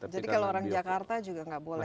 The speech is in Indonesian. jadi kalau orang jakarta juga tidak boleh